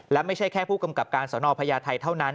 และไม่ใช่แค่ผู้กำกับการสนพญาไทยเท่านั้น